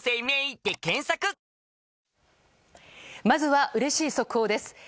まずは、うれしい速報です。